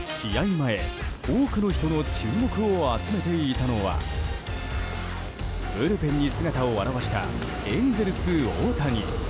前多くの人の注目を集めていたのはブルペンに姿を現したエンゼルス、大谷。